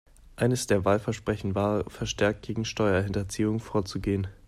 Eines der Wahlversprechen war, verstärkt gegen Steuerhinterziehung vorzugehen.